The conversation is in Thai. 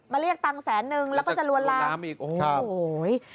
มาเรียกตังค์แสนนึงแล้วก็จะลวนล้ำอีกโอ้โหจะลวนล้ำอีก